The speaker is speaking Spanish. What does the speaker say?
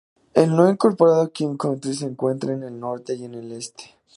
El no incorporado Kind Country se encuentra en el norte y en el este.